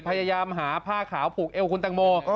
พยายามหาผ้าขาวผูกเอวคุณตังโม